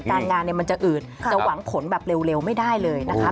การงานมันจะอืดจะหวังผลแบบเร็วไม่ได้เลยนะคะ